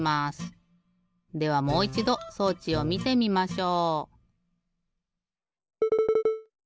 ではもういちど装置をみてみましょう！